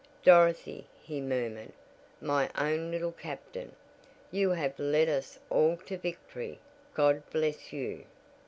"Dorothy," he murmured. "My own Little Captain! You have led us all to victory! God bless you!"